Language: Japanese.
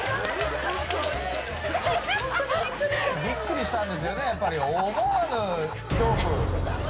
びっくりしたんですよね、やっぱり思わぬ恐怖。